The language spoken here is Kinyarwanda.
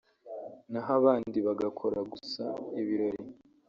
naho abandi bagakora gusa ibirori